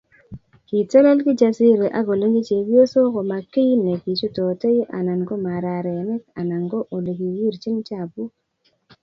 Kitelel Kijasiri akolechi chepyosok koma kiy nekichutotei anan ko mararenik anan ko olekiwirchin chapuk